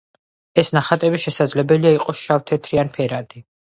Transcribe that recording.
ეს ნახატები შესაძლებელია იყოს შავ-თეთრი ან ფერადი.